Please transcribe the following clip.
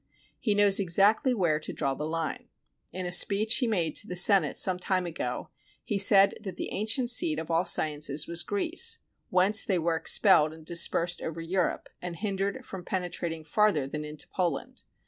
He knows exactly where to draw the line. In a speech he made to the Senate some time ago he said that the ancient seat of all sciences was Greece, whence they were expelled and dispersed over Europe and hindered from penetrating further than into Poland.